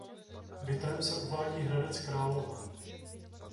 Bytem se uvádí Hradec Králové.